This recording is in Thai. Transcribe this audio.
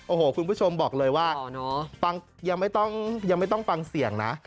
โอ้โหคุณผู้ชมบอกเลยว่ายังไม่ต้องฟังเสียงนะ